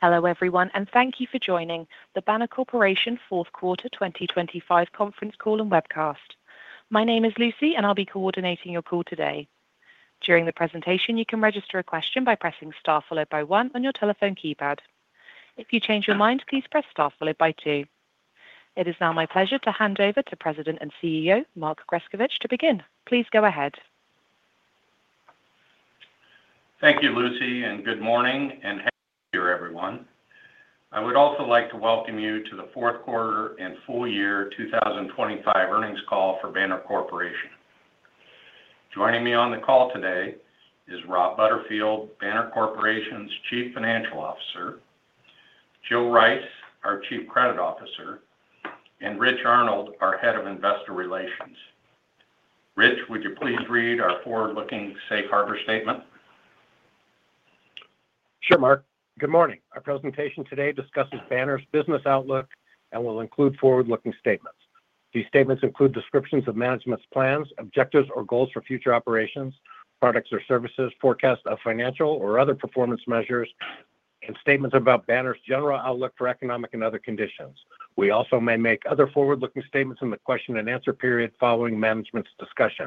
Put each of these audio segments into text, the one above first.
Hello, everyone, and thank you for joining the Banner Corporation Fourth Quarter 2025 Conference Call and Webcast. My name is Lucy, and I'll be coordinating your call today. During the presentation, you can register a question by pressing Star followed by 1 on your telephone keypad. If you change your mind, please press Star followed by 2. It is now my pleasure to hand over to President and CEO Mark Grescovich to begin. Please go ahead. Thank you, Lucy, and good morning and happy New Year, everyone. I would also like to welcome you to the Fourth Quarter and Full Year 2025 Earnings Call for Banner Corporation. Joining me on the call today is Rob Butterfield, Banner Corporation's Chief Financial Officer, Jill Rice, our Chief Credit Officer, and Rich Arnold, our Head of Investor Relations. Rich, would you please read our forward-looking Safe Harbor Statement? Sure, Mark. Good morning. Our presentation today discusses Banner's business outlook and will include forward-looking statements. These statements include descriptions of management's plans, objectives, or goals for future operations, products or services, forecasts of financial or other performance measures, and statements about Banner's general outlook for economic and other conditions. We also may make other forward-looking statements in the question-and-answer period following management's discussion.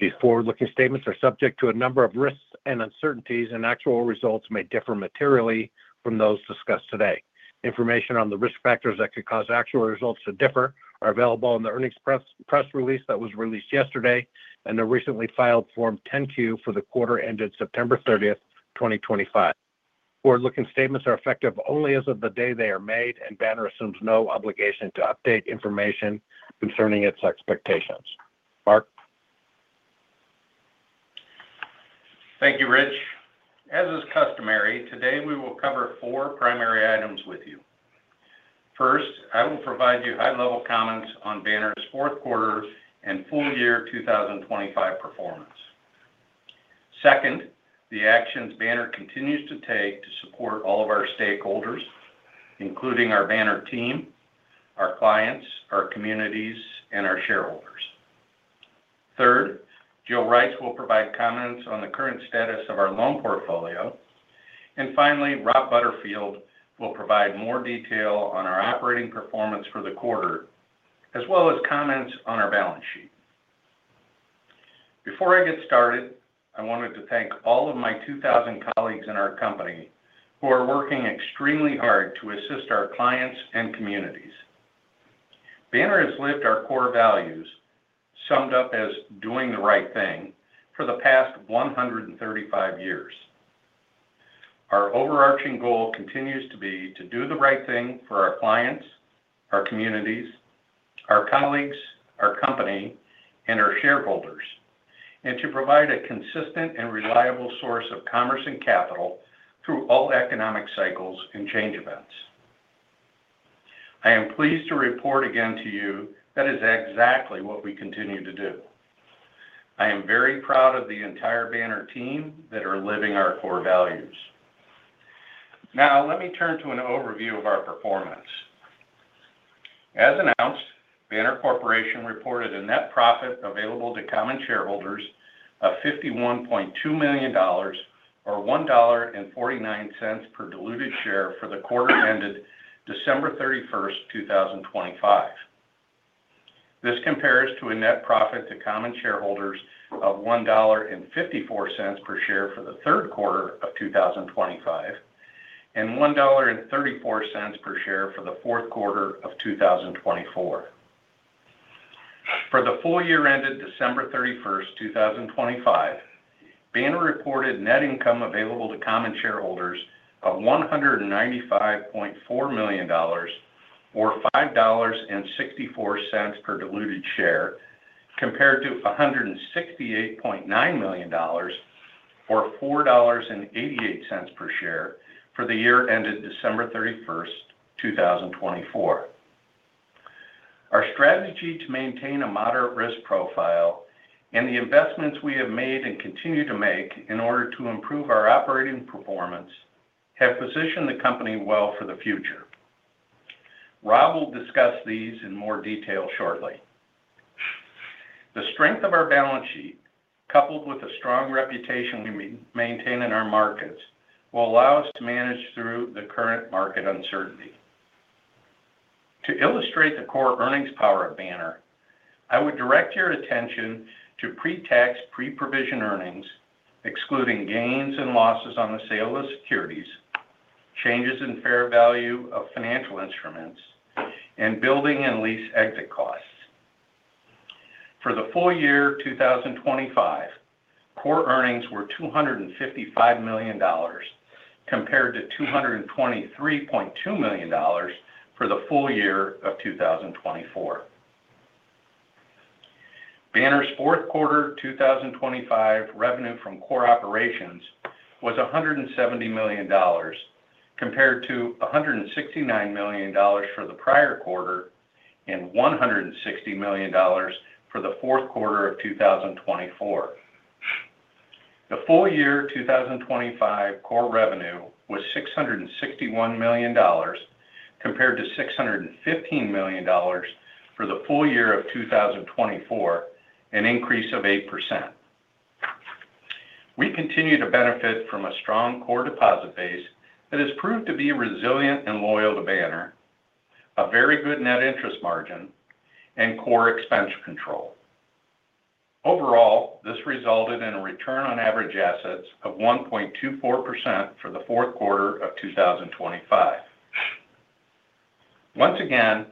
These forward-looking statements are subject to a number of risks and uncertainties, and actual results may differ materially from those discussed today. Information on the risk factors that could cause actual results to differ is available in the earnings press release that was released yesterday and the recently filed Form 10-Q for the quarter ended September 30, 2025. Forward-looking statements are effective only as of the day they are made, and Banner assumes no obligation to update information concerning its expectations. Mark. Thank you, Rich. As is customary, today we will cover four primary items with you. First, I will provide you high-level comments on Banner's Fourth Quarter and Full Year 2025 performance. Second, the actions Banner continues to take to support all of our stakeholders, including our Banner team, our clients, our communities, and our shareholders. Third, Jill Rice will provide comments on the current status of our loan portfolio. And finally, Rob Butterfield will provide more detail on our operating performance for the quarter, as well as comments on our balance sheet. Before I get started, I wanted to thank all of my 2,000 colleagues in our company who are working extremely hard to assist our clients and communities. Banner has lived our core values, summed up as doing the right thing, for the past 135 years. Our overarching goal continues to be to do the right thing for our clients, our communities, our colleagues, our company, and our shareholders, and to provide a consistent and reliable source of commerce and capital through all economic cycles and change events. I am pleased to report again to you that is exactly what we continue to do. I am very proud of the entire Banner team that are living our core values. Now, let me turn to an overview of our performance. As announced, Banner Corporation reported a net profit available to common shareholders of $51.2 million, or $1.49 per diluted share, for the quarter ended December 31, 2025. This compares to a net profit to common shareholders of $1.54 per share for the third quarter of 2025 and $1.34 per share for the fourth quarter of 2024. For the full year ended December 31, 2025, Banner reported net income available to common shareholders of $195.4 million, or $5.64 per diluted share, compared to $168.9 million, or $4.88 per share for the year ended December 31, 2024. Our strategy to maintain a moderate risk profile and the investments we have made and continue to make in order to improve our operating performance have positioned the company well for the future. Rob will discuss these in more detail shortly. The strength of our balance sheet, coupled with a strong reputation we maintain in our markets, will allow us to manage through the current market uncertainty. To illustrate the core earnings power of Banner, I would direct your attention to pre-tax, pre-provision earnings, excluding gains and losses on the sale of securities, changes in fair value of financial instruments, and building and lease exit costs. For the full year 2025, core earnings were $255 million compared to $223.2 million for the full year of 2024. Banner's Fourth Quarter 2025 revenue from core operations was $170 million compared to $169 million for the prior quarter and $160 million for the fourth quarter of 2024. The full year 2025 core revenue was $661 million compared to $615 million for the full year of 2024, an increase of 8%. We continue to benefit from a strong core deposit base that has proved to be resilient and loyal to Banner, a very good net interest margin, and core expense control. Overall, this resulted in a return on average assets of 1.24% for the fourth quarter of 2025. Once again,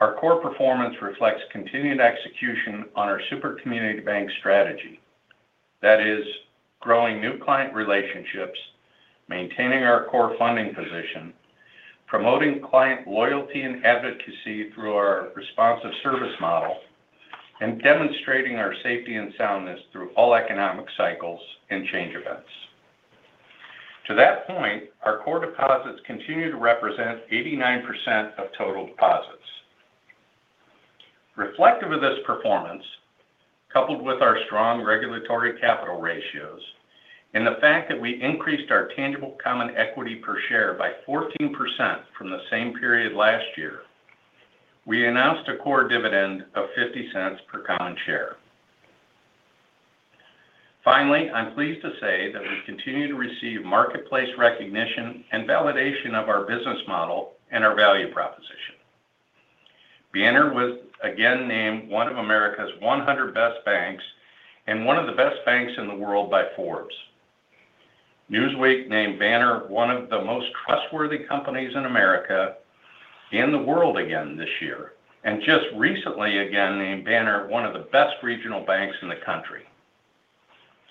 our core performance reflects continued execution on our super community bank strategy. That is, growing new client relationships, maintaining our core funding position, promoting client loyalty and advocacy through our responsive service model, and demonstrating our safety and soundness through all economic cycles and change events. To that point, our core deposits continue to represent 89% of total deposits. Reflective of this performance, coupled with our strong regulatory capital ratios and the fact that we increased our tangible common equity per share by 14% from the same period last year, we announced a core dividend of $0.50 per common share. Finally, I'm pleased to say that we continue to receive marketplace recognition and validation of our business model and our value proposition. Banner was again named one of America's 100 Best Banks and one of the best banks in the world by Forbes. Newsweek named Banner one of the Most Trustworthy Companies in America and the world again this year, and just recently again named Banner one of the Best Regional Banks in the country.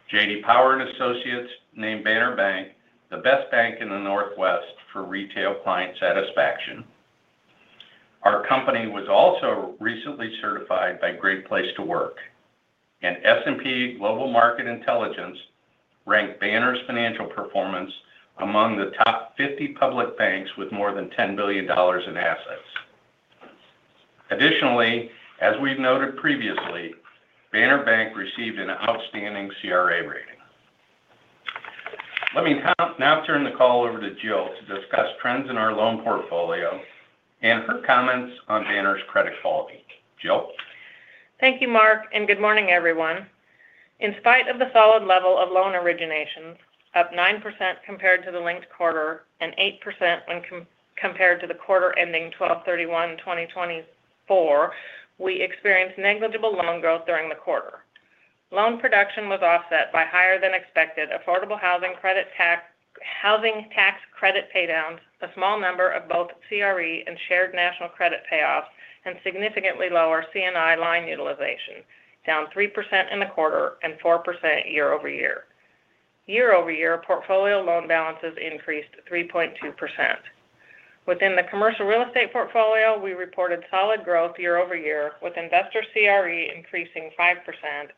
J.D. Power and Associates named Banner Bank the best bank in the Northwest for retail client satisfaction. Our company was also recently certified by Great Place to Work, and S&P Global Market Intelligence ranked Banner's financial performance among the top 50 public banks with more than $10 billion in assets. Additionally, as we've noted previously, Banner Bank received an outstanding CRA rating. Let me now turn the call over to Jill to discuss trends in our loan portfolio and her comments on Banner's credit quality. Jill. Thank you, Mark, and good morning, everyone. In spite of the solid level of loan originations, up 9% compared to the linked quarter and 8% compared to the quarter ending 12/31/2024, we experienced negligible loan growth during the quarter. Loan production was offset by higher-than-expected affordable housing tax credit paydowns, a small number of both CRE and Shared National Credit payoffs, and significantly lower C&I line utilization, down 3% in the quarter and 4% year-over-year. Year-over-year, portfolio loan balances increased 3.2%. Within the commercial real estate portfolio, we reported solid growth year-over-year, with investor CRE increasing 5%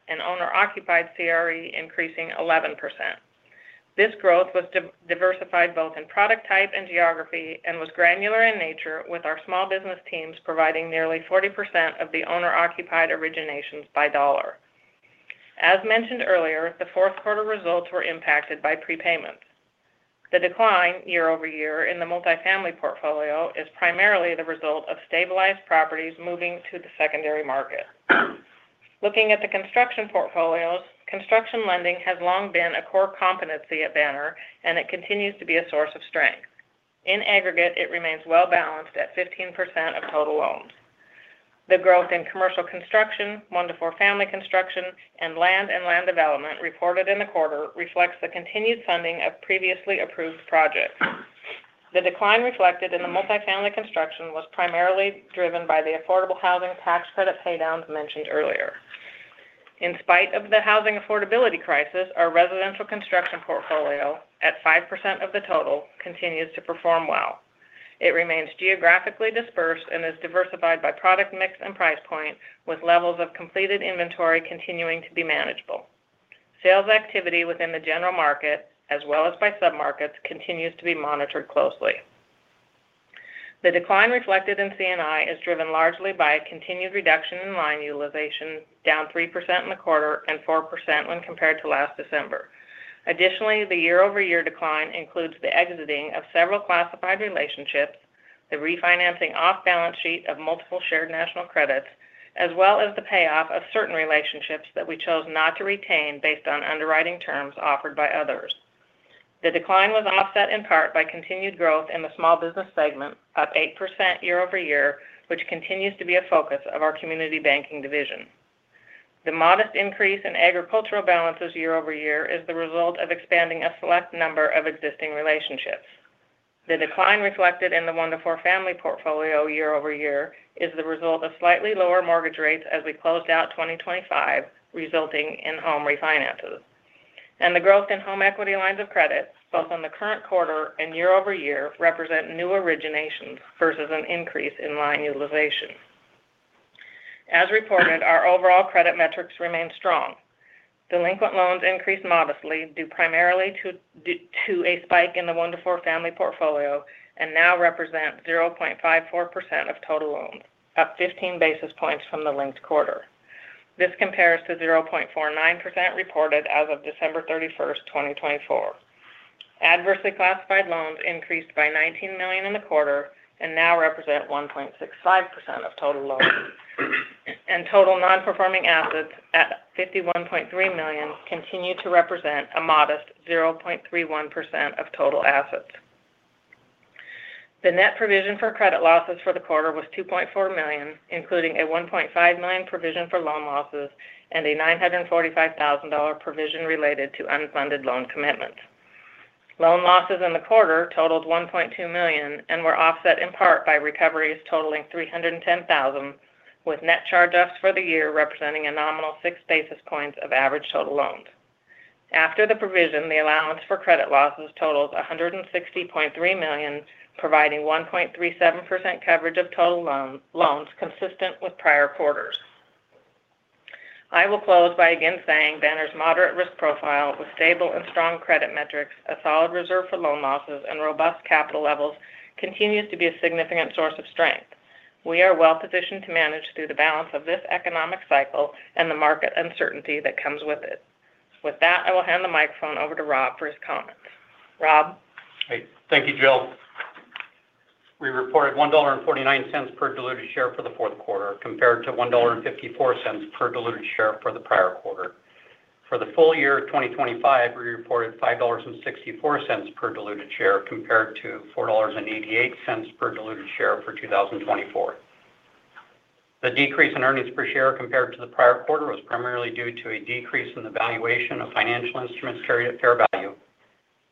and owner-occupied CRE increasing 11%. This growth was diversified both in product type and geography and was granular in nature, with our small business teams providing nearly 40% of the owner-occupied originations by dollar. As mentioned earlier, the fourth quarter results were impacted by prepayments. The decline year-over-year in the multifamily portfolio is primarily the result of stabilized properties moving to the secondary market. Looking at the construction portfolios, construction lending has long been a core competency at Banner, and it continues to be a source of strength. In aggregate, it remains well-balanced at 15% of total loans. The growth in commercial construction, one-to-four family construction, and land and land development reported in the quarter reflects the continued funding of previously approved projects. The decline reflected in the multifamily construction was primarily driven by the affordable housing tax credit paydowns mentioned earlier. In spite of the housing affordability crisis, our residential construction portfolio, at 5% of the total, continues to perform well. It remains geographically dispersed and is diversified by product mix and price point, with levels of completed inventory continuing to be manageable. Sales activity within the general market, as well as by submarkets, continues to be monitored closely. The decline reflected in C&I is driven largely by a continued reduction in line utilization, down 3% in the quarter and 4% when compared to last December. Additionally, the year-over-year decline includes the exiting of several classified relationships, the refinancing off-balance sheet of multiple shared national credits, as well as the payoff of certain relationships that we chose not to retain based on underwriting terms offered by others. The decline was offset in part by continued growth in the small business segment, up 8% year-over-year, which continues to be a focus of our community banking division. The modest increase in agricultural balances year-over-year is the result of expanding a select number of existing relationships. The decline reflected in the one-to-four family portfolio year-over-year is the result of slightly lower mortgage rates as we closed out 2025, resulting in home refinances, and the growth in home equity lines of credit, both on the current quarter and year-over-year, represent new originations versus an increase in line utilization. As reported, our overall credit metrics remain strong. Delinquent loans increased modestly due primarily to a spike in the one-to-four family portfolio and now represent 0.54% of total loans, up 15 basis points from the linked quarter. This compares to 0.49% reported as of December 31, 2024. Adversely classified loans increased by $19 million in the quarter and now represent 1.65% of total loans, and total non-performing assets at $51.3 million continue to represent a modest 0.31% of total assets. The net provision for credit losses for the quarter was $2.4 million, including a $1.5 million provision for loan losses and a $945,000 provision related to unfunded loan commitments. Loan losses in the quarter totaled $1.2 million and were offset in part by recoveries totaling $310,000, with net charge-offs for the year representing a nominal six basis points of average total loans. After the provision, the allowance for credit losses totals $160.3 million, providing 1.37% coverage of total loans consistent with prior quarters. I will close by again saying Banner's moderate risk profile with stable and strong credit metrics, a solid reserve for loan losses, and robust capital levels continues to be a significant source of strength. We are well-positioned to manage through the balance of this economic cycle and the market uncertainty that comes with it. With that, I will hand the microphone over to Rob for his comments. Rob. Thank you, Jill. We reported $1.49 per diluted share for the fourth quarter compared to $1.54 per diluted share for the prior quarter. For the full year 2025, we reported $5.64 per diluted share compared to $4.88 per diluted share for 2024. The decrease in earnings per share compared to the prior quarter was primarily due to a decrease in the valuation of financial instruments carrying fair value,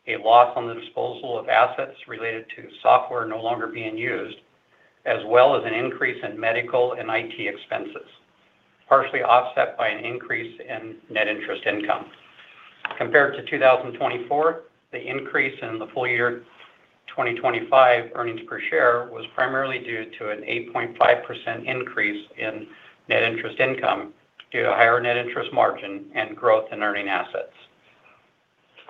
a loss on the disposal of assets related to software no longer being used, as well as an increase in medical and IT expenses, partially offset by an increase in net interest income. Compared to 2024, the increase in the full year 2025 earnings per share was primarily due to an 8.5% increase in net interest income due to higher net interest margin and growth in earning assets.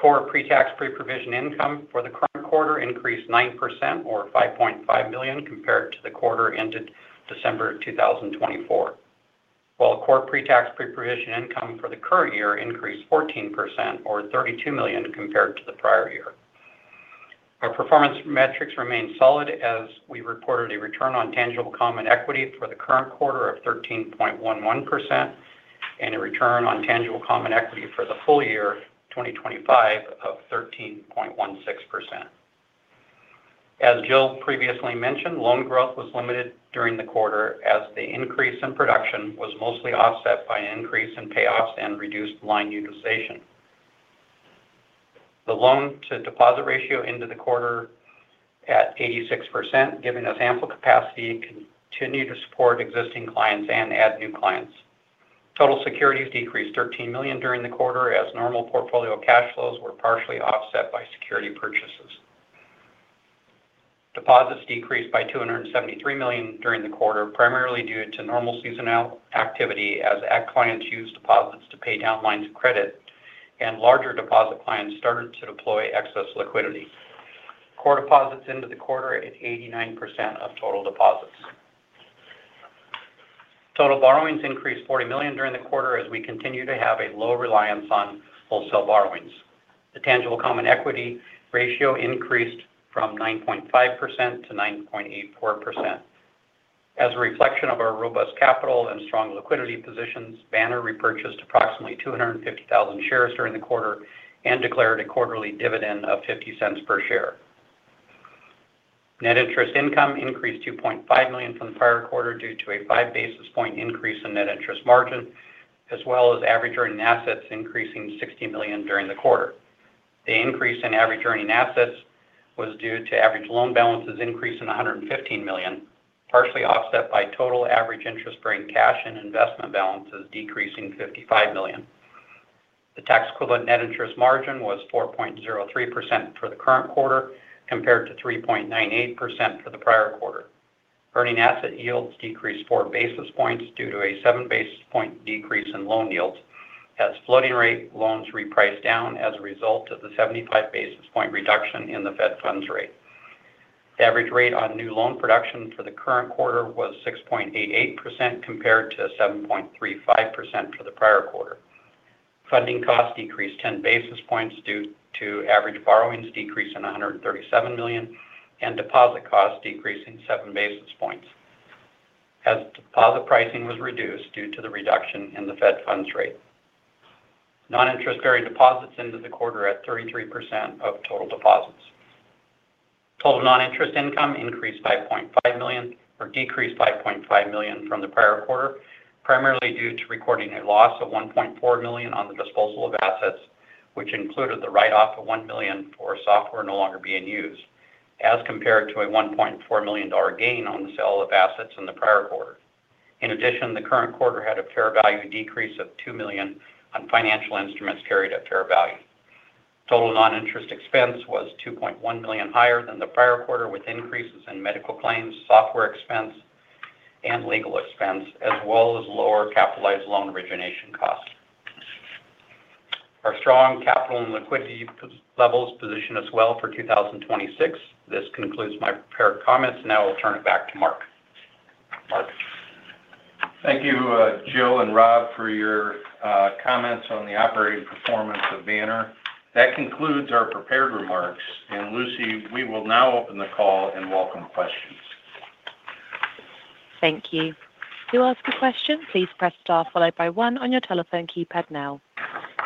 Core pre-tax, pre-provision income for the current quarter increased 9%, or $5.5 million, compared to the quarter ended December 2024, while core pre-tax, pre-provision income for the current year increased 14%, or $32 million, compared to the prior year. Our performance metrics remain solid as we reported a return on tangible common equity for the current quarter of 13.11% and a return on tangible common equity for the full year 2025 of 13.16%. As Jill previously mentioned, loan growth was limited during the quarter as the increase in production was mostly offset by an increase in payoffs and reduced line utilization. The loan-to-deposit ratio ended the quarter at 86%, giving us ample capacity to continue to support existing clients and add new clients. Total securities decreased $13 million during the quarter as normal portfolio cash flows were partially offset by security purchases. Deposits decreased by $273 million during the quarter, primarily due to normal seasonal activity as ag clients used deposits to pay down lines of credit and larger deposit clients started to deploy excess liquidity. Core deposits ended the quarter at 89% of total deposits. Total borrowings increased $40 million during the quarter as we continue to have a low reliance on wholesale borrowings. The tangible common equity ratio increased from 9.5% to 9.84%. As a reflection of our robust capital and strong liquidity positions, Banner repurchased approximately 250,000 shares during the quarter and declared a quarterly dividend of $0.50 per share. Net interest income increased $2.5 million from the prior quarter due to a five basis points increase in net interest margin, as well as average earning assets increasing $60 million during the quarter. The increase in average earning assets was due to average loan balances increasing $115 million, partially offset by total average interest-bearing cash and investment balances decreasing $55 million. The tax equivalent net interest margin was 4.03% for the current quarter compared to 3.98% for the prior quarter. Earning asset yields decreased four basis points due to a seven basis point decrease in loan yields as floating rate loans repriced down as a result of the 75 basis point reduction in the Fed funds rate. The average rate on new loan production for the current quarter was 6.88% compared to 7.35% for the prior quarter. Funding costs decreased 10 basis points due to average borrowings decreasing $137 million and deposit costs decreasing 7 basis points as deposit pricing was reduced due to the reduction in the Fed funds rate. Non-interest-bearing deposits ended the quarter at 33% of total deposits. Total non-interest income increased $5.5 million or decreased $5.5 million from the prior quarter, primarily due to recording a loss of $1.4 million on the disposal of assets, which included the write-off of $1 million for software no longer being used, as compared to a $1.4 million gain on the sale of assets in the prior quarter. In addition, the current quarter had a fair value decrease of $2 million on financial instruments carried at fair value. Total non-interest expense was $2.1 million higher than the prior quarter, with increases in medical claims, software expense, and legal expense, as well as lower capitalized loan origination costs. Our strong capital and liquidity levels position us well for 2026. This concludes my prepared comments. Now I'll turn it back to Mark. Mark. Thank you, Jill and Rob, for your comments on the operating performance of Banner. That concludes our prepared remarks, and Lucy, we will now open the call and welcome questions. Thank you. To ask a question, please press star followed by one on your telephone keypad now.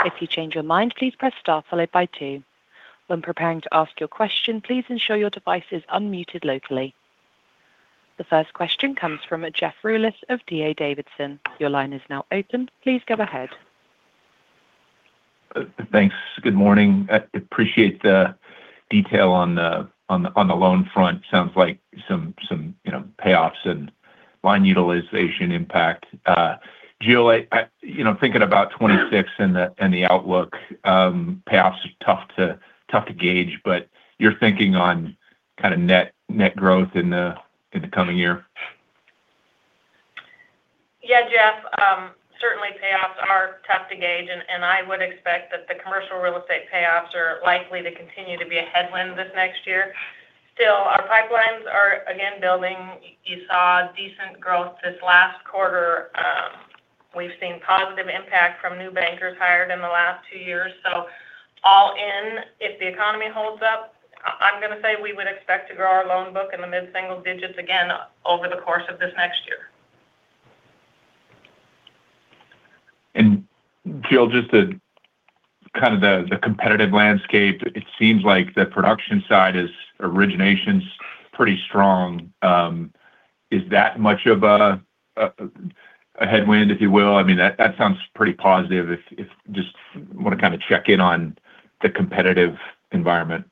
If you change your mind, please press star followed by two. When preparing to ask your question, please ensure your device is unmuted locally. The first question comes from Jeff Rulis of D.A. Davidson. Your line is now open. Please go ahead. Thanks. Good morning. I appreciate the detail on the loan front. Sounds like some payoffs and line utilization impact. Jill, thinking about 2026 and the outlook, payoffs are tough to gauge, but you're thinking on kind of net growth in the coming year? Yeah, Jeff, certainly payoffs are tough to gauge, and I would expect that the commercial real estate payoffs are likely to continue to be a headwind this next year. Still, our pipelines are again building. You saw decent growth this last quarter. We've seen positive impact from new bankers hired in the last two years. So all in, if the economy holds up, I'm going to say we would expect to grow our loan book in the mid-single digits again over the course of this next year. Jill, just kind of the competitive landscape, it seems like the production side is originations pretty strong. Is that much of a headwind, if you will? I mean, that sounds pretty positive if you just want to kind of check in on the competitive environment.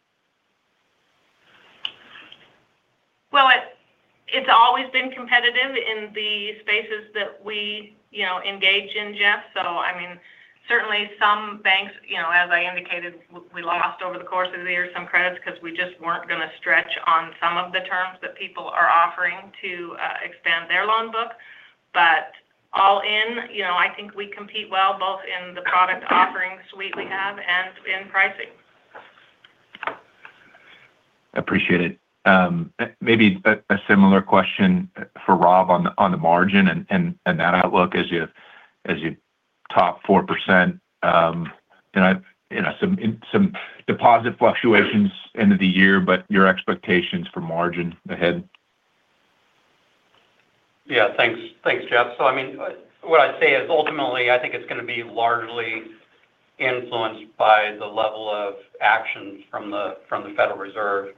It's always been competitive in the spaces that we engage in, Jeff, so I mean, certainly some banks, as I indicated, we lost over the course of the year some credits because we just weren't going to stretch on some of the terms that people are offering to expand their loan book, but all in, I think we compete well both in the product offering suite we have and in pricing. I appreciate it. Maybe a similar question for Rob on the margin and that outlook as you top 4%. Some deposit fluctuations into the year, but your expectations for margin ahead? Yeah, thanks, Jeff. So I mean, what I'd say is ultimately, I think it's going to be largely influenced by the level of action from the Federal Reserve.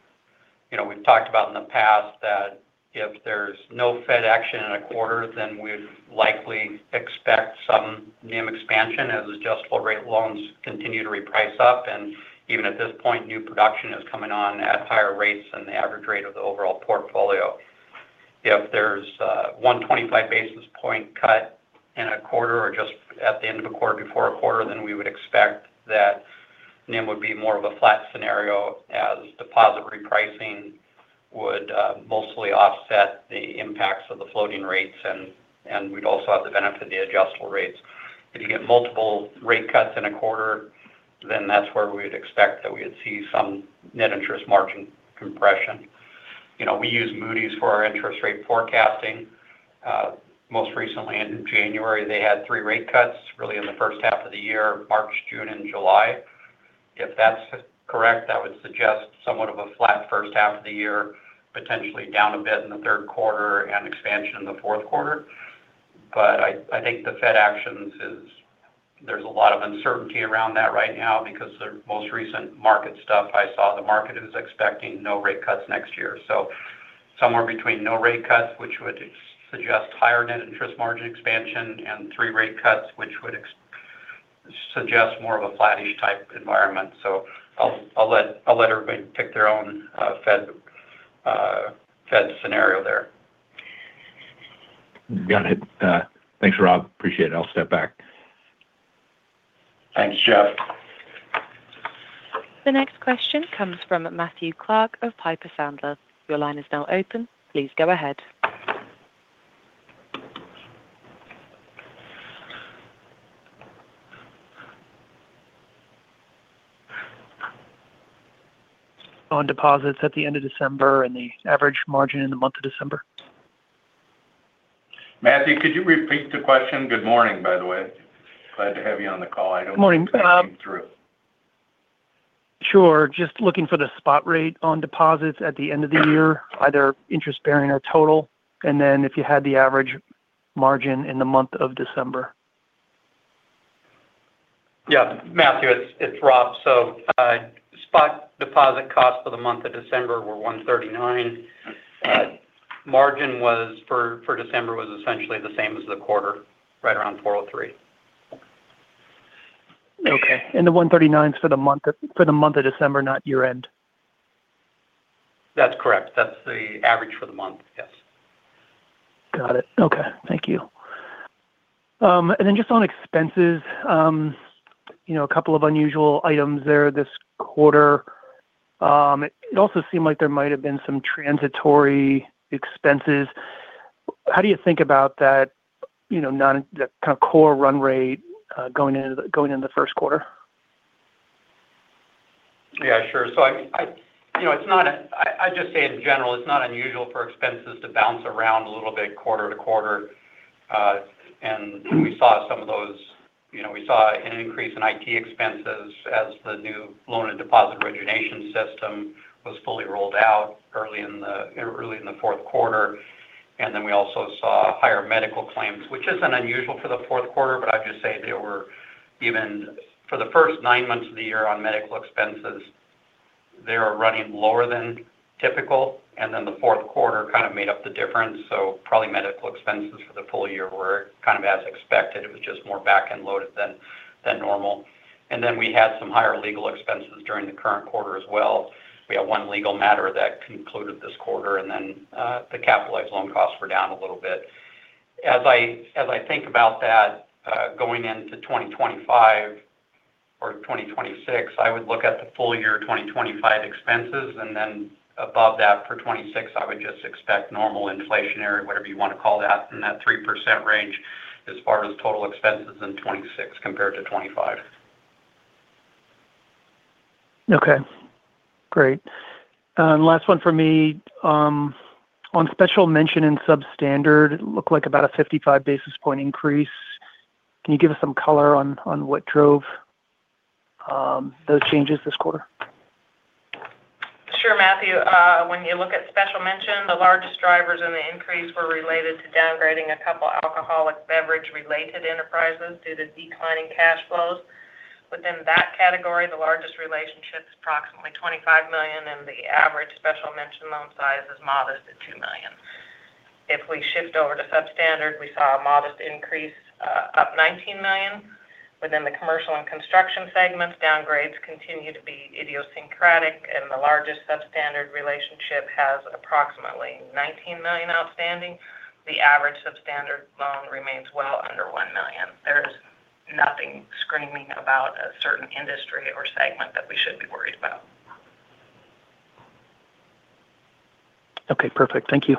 We've talked about in the past that if there's no Fed action in a quarter, then we'd likely expect some NIM expansion as adjustable rate loans continue to reprice up. And even at this point, new production is coming on at higher rates than the average rate of the overall portfolio. If there's one 25 basis points cut in a quarter or just at the end of a quarter before a quarter, then we would expect that NIM would be more of a flat scenario as deposit repricing would mostly offset the impacts of the floating rates, and we'd also have the benefit of the adjustable rates. If you get multiple rate cuts in a quarter, then that's where we would expect that we would see some net interest margin compression. We use Moody's for our interest rate forecasting. Most recently, in January, they had three rate cuts really in the first half of the year, March, June, and July. If that's correct, that would suggest somewhat of a flat first half of the year, potentially down a bit in the third quarter and expansion in the fourth quarter. But I think the Fed actions is there's a lot of uncertainty around that right now because the most recent market stuff I saw, the market is expecting no rate cuts next year. So somewhere between no rate cuts, which would suggest higher net interest margin expansion, and three rate cuts, which would suggest more of a flattish type environment. So I'll let everybody pick their own Fed scenario there. Got it. Thanks, Rob. Appreciate it. I'll step back. Thanks, Jeff. The next question comes from Matthew Clark of Piper Sandler. Your line is now open. Please go ahead. On deposits at the end of December and the average margin in the month of December? Matthew, could you repeat the question? Good morning, by the way. Glad to have you on the call. I don't think we came through. Sure. Just looking for the spot rate on deposits at the end of the year, either interest bearing or total, and then if you had the average margin in the month of December. Yeah. Matthew, it's Rob. So spot deposit costs for the month of December were 139%. Margin for December was essentially the same as the quarter, right around 4.03%. Okay. And the 1.39% is for the month of December, not year-end? That's correct. That's the average for the month, yes. Got it. Okay. Thank you. And then just on expenses, a couple of unusual items there this quarter. It also seemed like there might have been some transitory expenses. How do you think about that kind of core run rate going into the first quarter? Yeah, sure. So it's not a, I just say in general, it's not unusual for expenses to bounce around a little bit quarter to quarter. And we saw some of those. We saw an increase in IT expenses as the new loan and deposit origination system was fully rolled out early in the fourth quarter. And then we also saw higher medical claims, which isn't unusual for the fourth quarter, but I'd just say they were even for the first nine months of the year on medical expenses. They were running lower than typical. And then the fourth quarter kind of made up the difference. So probably medical expenses for the full year were kind of as expected. It was just more back-end loaded than normal. And then we had some higher legal expenses during the current quarter as well. We had one legal matter that concluded this quarter, and then the capitalized loan costs were down a little bit. As I think about that, going into 2025 or 2026, I would look at the full year 2025 expenses, and then above that for 2026, I would just expect normal inflationary, whatever you want to call that, in that 3% range as far as total expenses in 2026 compared to 2025. Okay. Great. Last one for me. On special mention and substandard, it looked like about a 55 basis points increase. Can you give us some color on what drove those changes this quarter? Sure, Matthew. When you look at special mention, the largest drivers in the increase were related to downgrading a couple of alcoholic beverage-related enterprises due to declining cash flows. Within that category, the largest relationship is approximately $25 million, and the average special mention loan size is modest at $2 million. If we shift over to substandard, we saw a modest increase up $19 million. Within the commercial and construction segments, downgrades continue to be idiosyncratic, and the largest substandard relationship has approximately $19 million outstanding. The average substandard loan remains well under $1 million. There is nothing screaming about a certain industry or segment that we should be worried about. Okay. Perfect. Thank you.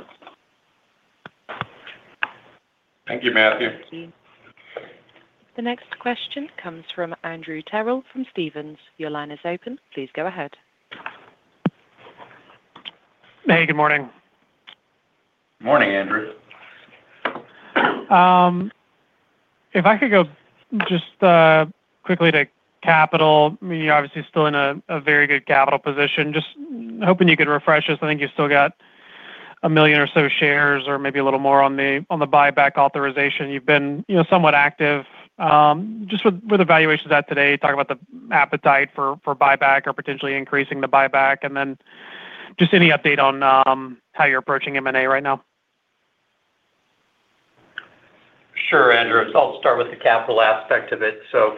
Thank you, Matthew. Thank you. The next question comes from Andrew Terrell from Stephens. Your line is open. Please go ahead. Hey, good morning. Morning, Andrew. If I could go just quickly to capital, obviously still in a very good capital position. Just hoping you could refresh us. I think you still got a million or so shares or maybe a little more on the buyback authorization. You've been somewhat active. Just with the valuations at today, talk about the appetite for buyback or potentially increasing the buyback, and then just any update on how you're approaching M&A right now? Sure, Andrew. So I'll start with the capital aspect of it. So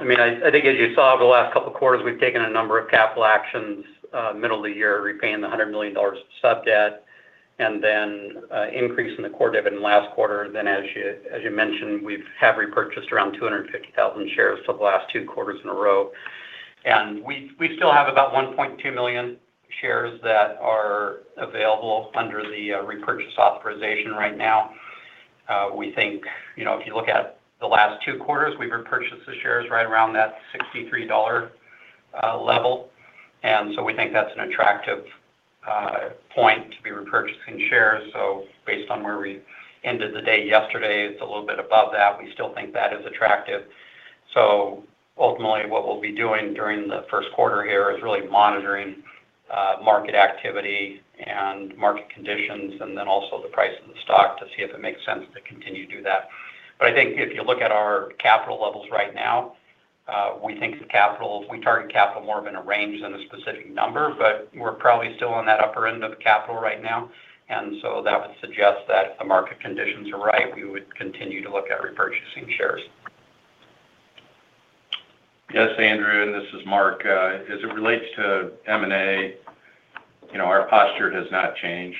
I mean, I think as you saw over the last couple of quarters, we've taken a number of capital actions middle of the year, repaying the $100 million sub debt, and then increasing the core dividend last quarter. Then as you mentioned, we have repurchased around 250,000 shares for the last two quarters in a row. And we still have about 1.2 million shares that are available under the repurchase authorization right now. We think if you look at the last two quarters, we've repurchased the shares right around that $63 level. And so we think that's an attractive point to be repurchasing shares. So based on where we ended the day yesterday, it's a little bit above that. We still think that is attractive. So ultimately, what we'll be doing during the first quarter here is really monitoring market activity and market conditions, and then also the price of the stock to see if it makes sense to continue to do that. But I think if you look at our capital levels right now, we think the capital—we target capital more of in a range than a specific number, but we're probably still on that upper end of capital right now. And so that would suggest that if the market conditions are right, we would continue to look at repurchasing shares. Yes, Andrew, and this is Mark. As it relates to M&A, our posture has not changed.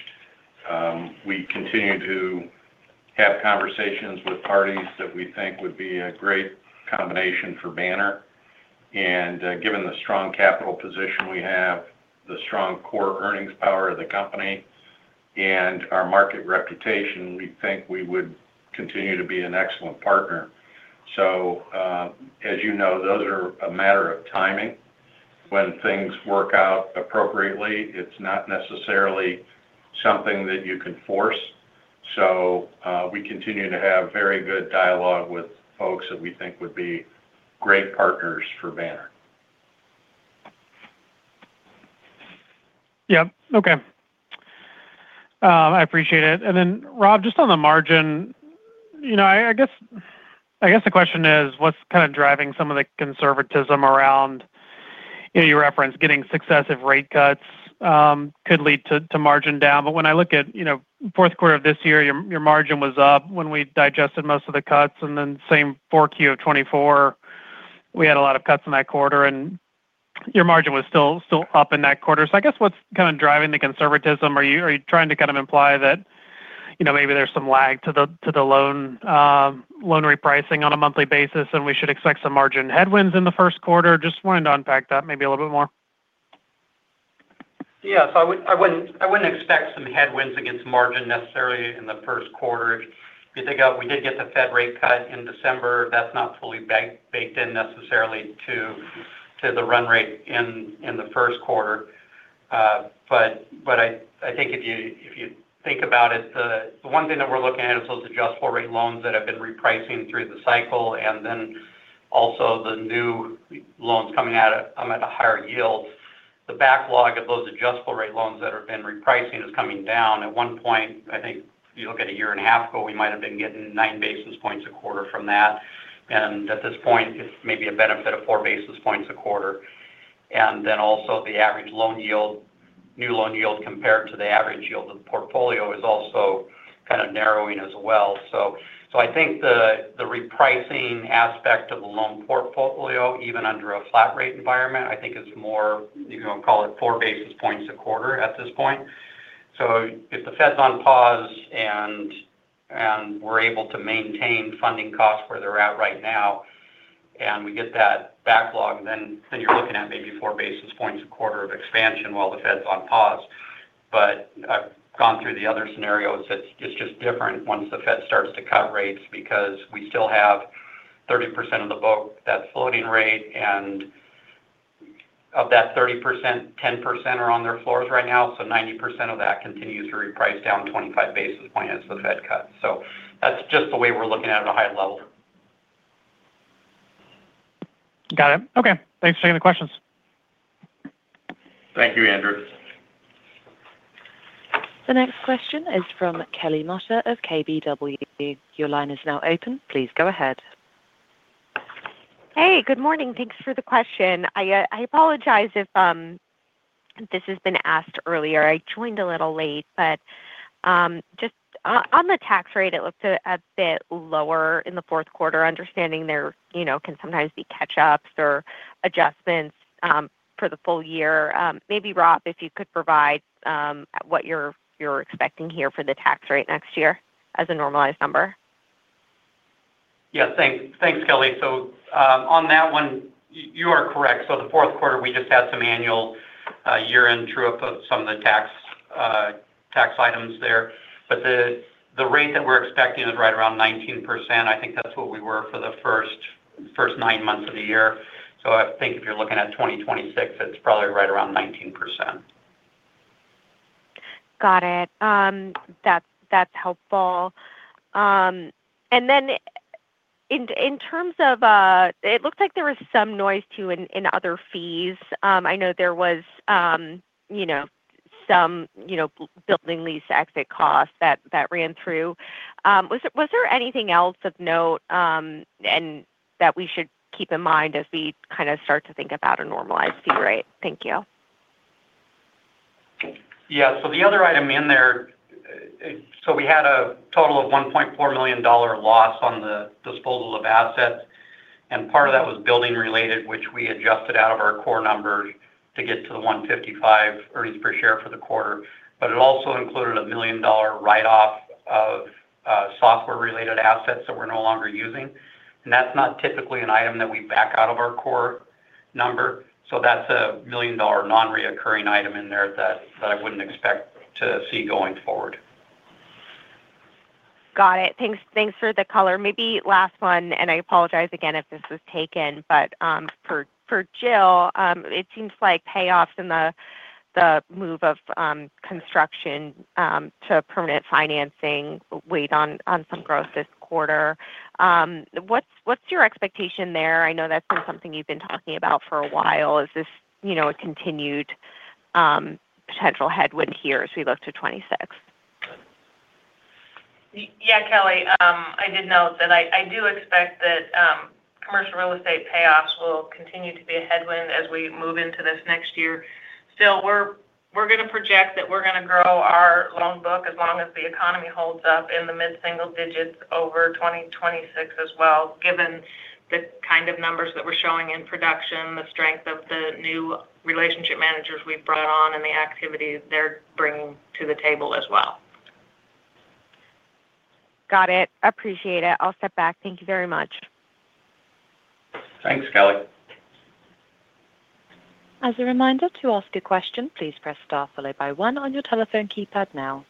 We continue to have conversations with parties that we think would be a great combination for Banner. And given the strong capital position we have, the strong core earnings power of the company, and our market reputation, we think we would continue to be an excellent partner. So as you know, those are a matter of timing. When things work out appropriately, it's not necessarily something that you can force. So we continue to have very good dialogue with folks that we think would be great partners for Banner. Yep. Okay. I appreciate it. And then, Rob, just on the margin, I guess the question is, what's kind of driving some of the conservatism around your reference? Getting successive rate cuts could lead to margin down. But when I look at fourth quarter of this year, your margin was up when we digested most of the cuts. And then same for Q of 2024, we had a lot of cuts in that quarter, and your margin was still up in that quarter. So I guess what's kind of driving the conservatism? Are you trying to kind of imply that maybe there's some lag to the loan repricing on a monthly basis and we should expect some margin headwinds in the first quarter? Just wanted to unpack that maybe a little bit more. Yeah. So I wouldn't expect some headwinds against margin necessarily in the first quarter. If you think about it, we did get the Fed rate cut in December. That's not fully baked in necessarily to the run rate in the first quarter. But I think if you think about it, the one thing that we're looking at is those adjustable rate loans that have been repricing through the cycle, and then also the new loans coming out at a higher yield. The backlog of those adjustable rate loans that have been repricing is coming down. At one point, I think you look at a year and a half ago, we might have been getting nine basis points a quarter from that. And at this point, it's maybe a benefit of four basis points a quarter. And then also, the average new loan yield compared to the average yield of the portfolio is also kind of narrowing as well. So I think the repricing aspect of the loan portfolio, even under a flat rate environment, I think it's more, you can call it four basis points a quarter at this point. So if the Fed's on pause and we're able to maintain funding costs where they're at right now and we get that backlog, then you're looking at maybe four basis points a quarter of expansion while the Fed's on pause. But I've gone through the other scenarios. It's just different once the Fed starts to cut rates because we still have 30% of the book that's floating rate. And of that 30%, 10% are on their floors right now. So 90% of that continues to reprice down 25 basis points as the Fed cuts. So that's just the way we're looking at it at a high level. Got it. Okay. Thanks for taking the questions. Thank you, Andrew. The next question is from Kelly Motta of KBW. Your line is now open. Please go ahead. Hey, good morning. Thanks for the question. I apologize if this has been asked earlier. I joined a little late, but just on the tax rate, it looked a bit lower in the fourth quarter, understanding there can sometimes be catch-ups or adjustments for the full year. Maybe Rob, if you could provide what you're expecting here for the tax rate next year as a normalized number. Yeah. Thanks, Kelly. So on that one, you are correct. So the fourth quarter, we just had some annual year-end true-up of some of the tax items there. But the rate that we're expecting is right around 19%. I think that's what we were for the first nine months of the year. So I think if you're looking at 2026, it's probably right around 19%. Got it. That's helpful. And then in terms of it looks like there was some noise too in other fees. I know there was some building lease exit costs that ran through. Was there anything else of note that we should keep in mind as we kind of start to think about a normalized fee rate? Thank you. Yeah. So the other item in there, so we had a total of $1.4 million loss on the disposal of assets. And part of that was building-related, which we adjusted out of our core numbers to get to the 155 earnings per share for the quarter. But it also included a million-dollar write-off of software-related assets that we're no longer using. And that's not typically an item that we back out of our core number. So that's a million-dollar non-recurring item in there that I wouldn't expect to see going forward. Got it. Thanks for the color. Maybe last one, and I apologize again if this was taken, but for Jill, it seems like payoffs in the move of construction to permanent financing weighed on some growth this quarter. What's your expectation there? I know that's been something you've been talking about for a while. Is this a continued potential headwind here as we look to 2026? Yeah, Kelly, I did note that I do expect that commercial real estate payoffs will continue to be a headwind as we move into this next year, so we're going to project that we're going to grow our loan book as long as the economy holds up in the mid-single digits over 2026 as well, given the kind of numbers that we're showing in production, the strength of the new relationship managers we've brought on, and the activity they're bringing to the table as well. Got it. Appreciate it. I'll step back. Thank you very much. Thanks, Kelly. As a reminder, to ask a question, please press star followed by one on your telephone keypad now.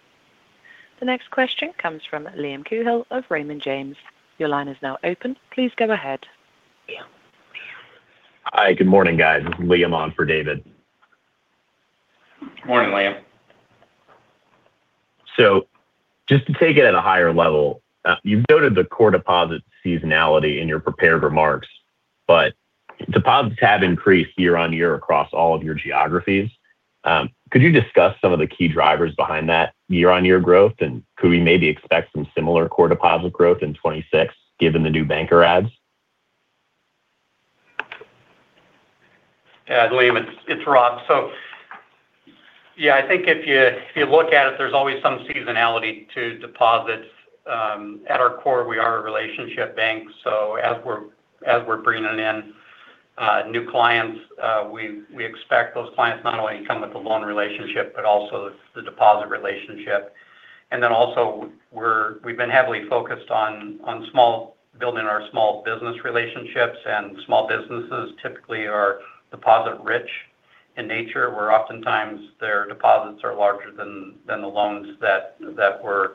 The next question comes from Liam Cahill of Raymond James. Your line is now open. Please go ahead. Hi, good morning, guys. This is Liam on for David. Good morning, Liam. So just to take it at a higher level, you've noted the core deposit seasonality in your prepared remarks, but deposits have increased year-on-year across all of your geographies. Could you discuss some of the key drivers behind that year-on-year growth, and could we maybe expect some similar core deposit growth in 2026 given the new banker ads? Yeah, Liam, it's Rob. So yeah, I think if you look at it, there's always some seasonality to deposits. At our core, we are a relationship bank. So as we're bringing in new clients, we expect those clients not only to come with the loan relationship, but also the deposit relationship. And then also, we've been heavily focused on building our small business relationships, and small businesses typically are deposit-rich in nature, where oftentimes their deposits are larger than the loans that we're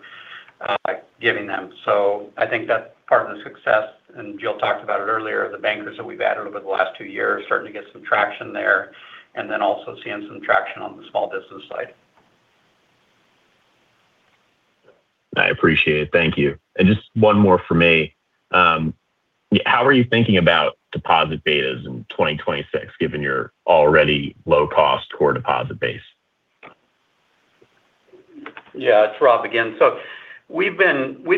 giving them. So I think that's part of the success. And Jill talked about it earlier, the bankers that we've added over the last two years starting to get some traction there, and then also seeing some traction on the small business side. I appreciate it. Thank you. And just one more for me. How are you thinking about deposit betas in 2026, given your already low-cost core deposit base? Yeah, it's Rob again. So we've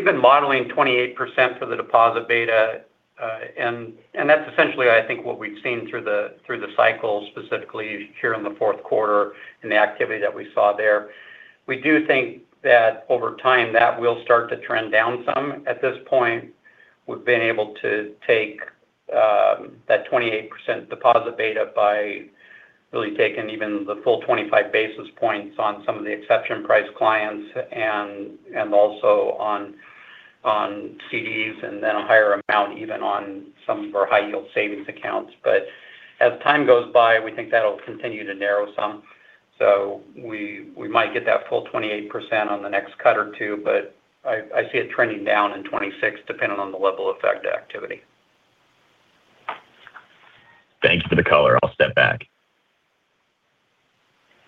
been modeling 28% for the deposit beta. And that's essentially, I think, what we've seen through the cycle, specifically here in the fourth quarter and the activity that we saw there. We do think that over time, that will start to trend down some. At this point, we've been able to take that 28% deposit beta by really taking even the full 25 basis points on some of the exception price clients and also on CDs and then a higher amount even on some of our high-yield savings accounts. But as time goes by, we think that'll continue to narrow some. So we might get that full 28% on the next cut or two, but I see it trending down in 2026, depending on the level of effective activity. Thank you for the color. I'll step back.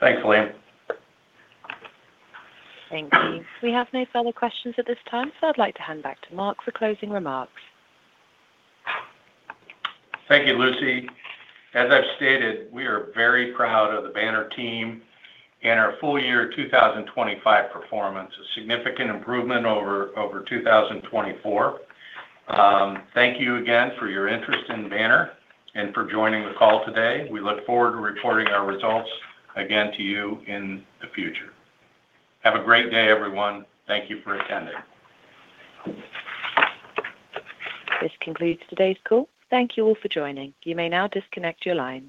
Thanks, Liam. Thank you. We have no further questions at this time, so I'd like to hand back to Mark for closing remarks. Thank you, Lucy. As I've stated, we are very proud of the Banner team and our full year 2025 performance, a significant improvement over 2024. Thank you again for your interest in Banner and for joining the call today. We look forward to reporting our results again to you in the future. Have a great day, everyone. Thank you for attending. This concludes today's call. Thank you all for joining. You may now disconnect your line.